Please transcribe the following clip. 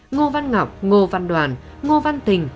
ngô văn ngọc ngô văn đoàn ngô văn tình